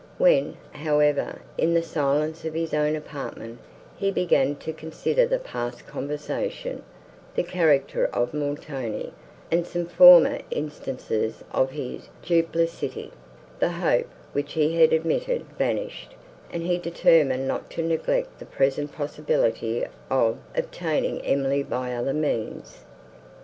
When, however, in the silence of his own apartment, he began to consider the past conversation, the character of Montoni, and some former instances of his duplicity, the hope, which he had admitted, vanished, and he determined not to neglect the present possibility of obtaining Emily by other means.